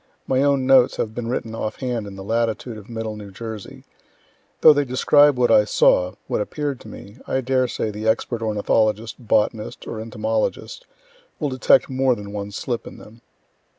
My own notes have been written off hand in the latitude of middle New Jersey. Though they describe what I saw what appear'd to me I dare say the expert ornithologist, botanist or entomologist will detect more than one slip in them.)